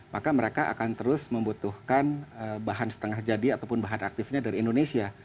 maka mereka akan terus membutuhkan bahan setengah jadi ataupun bahan aktifnya dari indonesia